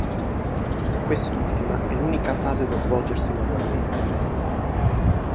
Quest'ultima è l'unica fase da svolgersi manualmente.